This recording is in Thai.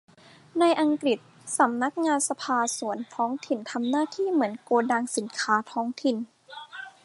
ในอังกฤษ สำนักงานสภาส่วนท้องถิ่นทำหน้าที่เหมือนโกดังสินค้าท้องถิ่น